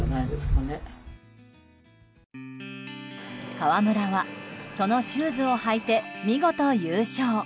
河村はそのシューズを履いて見事優勝。